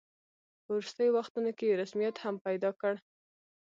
په وروستیو وختونو کې یې رسمیت هم پیدا کړ.